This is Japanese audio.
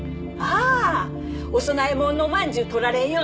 あお供え物のまんじゅう取られんように？